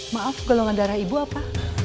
maaf golongan darah ibu apa